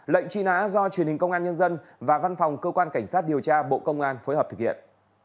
lệnh truy nã do truyền hình công an nhân dân và văn phòng cơ quan cảnh sát điều tra bộ công an phối hợp thực hiện